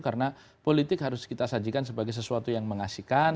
karena politik harus kita sajikan sebagai sesuatu yang mengasihkan